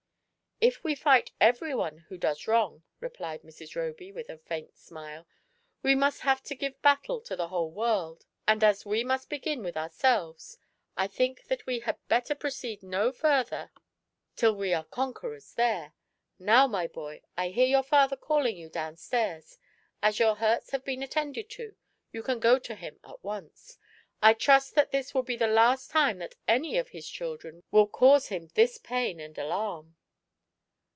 "If we fight every one who does wrong," replied Mrs. Roby, with a faint smile, "we must have to give battle to the whole world ; and as we must begin with our selves, I think that we had better proceed no further till SUNDAY AT DOVE'S NEST. 01 we are conquerors there. Now, my boy, I hear your father calling you down stairs ; as your hurts have been attended to, you can go to him at once. I trust that this will be the last time that any of his children will cause him this pain and alarm.'